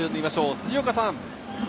辻岡さん。